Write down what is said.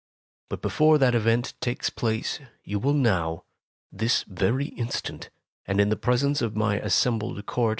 But before that event takes place, you will now, this very instant, and in the presence of my assembled court.